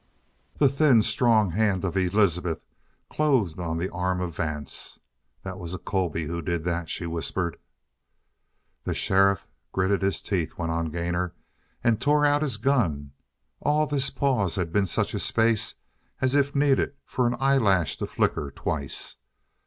The thin, strong hand of Elizabeth closed on the arm of Vance. "That was a Colby who did that!" she whispered. "The sheriff gritted his teeth," went on Gainor, "and tore out his gun. All this pause had been such a space as is needed for an eyelash to flicker twice.